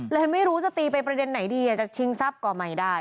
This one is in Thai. ไม่รู้จะตีไปประเด็นไหนดีจะชิงทรัพย์ก็ไม่ได้